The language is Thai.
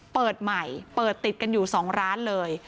เปิดใหม่เปิดติดกันอยู่๒ร้านเลย